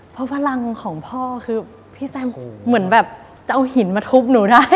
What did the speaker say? เพราะพลังของพ่อคือพี่แซมเหมือนแบบจะเอาหินมาทุบหนูได้